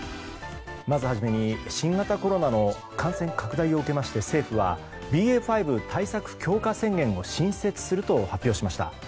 まず初めに、新型コロナの感染拡大を受けまして政府はＢＡ．５対策強化宣言を新設すると発表しました。